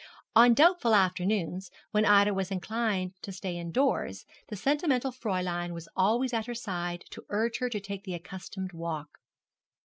On doubtful afternoons, when Ida was inclined to stay indoors, the sentimental Fräulein was always at her side to urge her to take the accustomed walk.